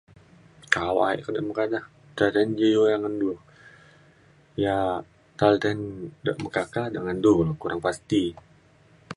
kawa ke nen meka ja. ca je iu ngen du. yak [unintelligible] meka ka ngan du kulu kurang pasti.